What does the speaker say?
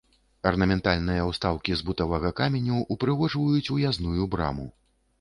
Арнаментальныя ўстаўкі з бутавага каменю ўпрыгожваюць уязную браму.